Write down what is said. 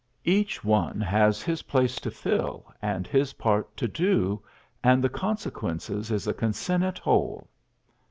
Each one has his place to fill and his part to do, and the consequence is a concinnate whole.